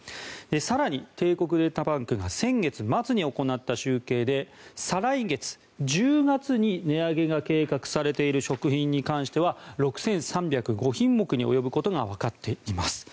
更に、帝国データバンクが先月末に行った集計で再来月、１０月に値上げが計画されている食品に関しては６３０５品目に及ぶことがわかっています。